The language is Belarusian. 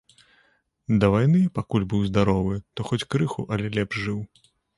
Да вайны, пакуль быў здаровы, то хоць крыху, але лепш жыў.